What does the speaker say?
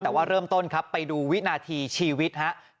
แต่ว่าเริ่มต้นไปดูวินาทีชีวิต